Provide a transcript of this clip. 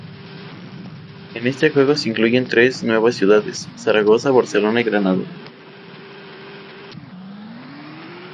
En este juego se incluyen tres nuevas ciudades: Zaragoza, Barcelona y Granada.